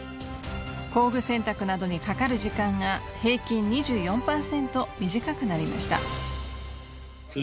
工具選択などにかかる時間が平均２４％短くなりました。